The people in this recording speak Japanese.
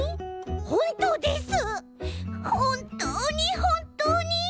ほんとうにほんとうに？